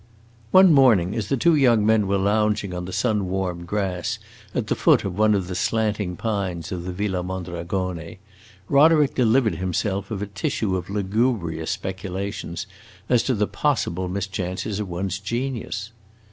One morning, as the two young men were lounging on the sun warmed grass at the foot of one of the slanting pines of the Villa Mondragone, Roderick delivered himself of a tissue of lugubrious speculations as to the possible mischances of one's genius.